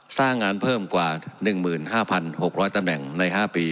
สร้างงานเพิ่มกว่าหนึ่งหมื่นห้าพันหกร้อยตำแหน่งในห้าปี